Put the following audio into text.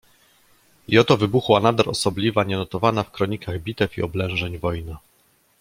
"I oto wybuchła nader osobliwa, nienotowana w kronikach bitew i oblężeń, wojna."